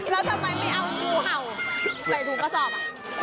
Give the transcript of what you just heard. แล้วทำไมไม่เอางูเห่าใส่ถุงกระสอบ